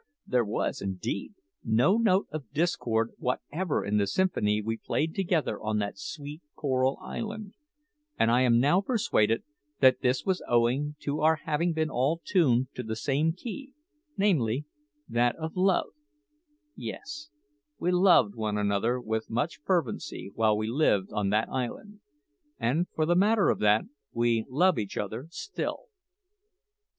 There was, indeed, no note of discord whatever in the symphony we played together on that sweet Coral Island; and I am now persuaded that this was owing to our having been all tuned to the same key namely, that of love! Yes, we loved one another with much fervency while we lived on that island; and, for the matter of that, we love each other still.